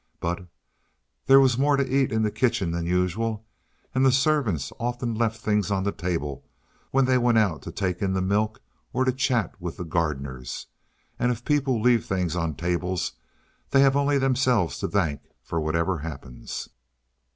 But there was more to eat in the kitchen than usual, and the servants often left things on the table when they went out to take in the milk or to chat with the gardeners; and if people leave things on tables, they have only themselves to thank for whatever happens.